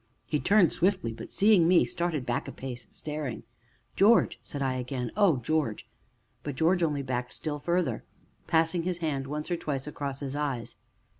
He turned swiftly, but, seeing me, started back a pace, staring. "George!" said I again. "Oh, George!" But George only backed still farther, passing his hand once or twice across his eyes.